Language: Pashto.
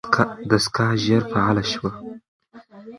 دستګاه ژر فعاله شوه.